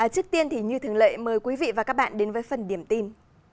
trước tiên thì như thường lệ mời quý vị và các bạn đến với phần điểm tin